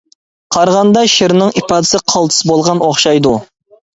قارىغاندا شىرنىڭ ئىپادىسى قالتىس بولغان ئوخشايدۇ.